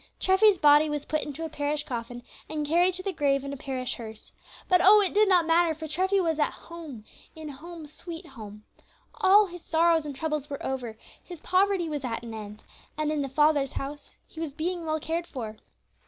Treffy's body was put into a parish coffin, and carried to the grave in a parish hearse. But, oh! it did not matter, for Treffy was at home in "Home, sweet Home;" all his sorrows and troubles were over, his poverty was at an end, and in "the Father's house" he was being well cared for.